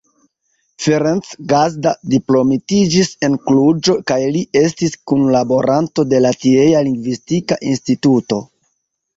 Ferenc Gazda diplomitiĝis en Kluĵo kaj li estis kunlaboranto de la tiea Lingvistika Instituto.